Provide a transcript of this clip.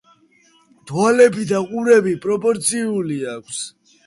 თვალები და ყურები პროპორციული აქვთ.